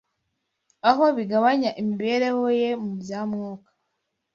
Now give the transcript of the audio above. aho bigabanya imibereho ye mu bya Mwuka.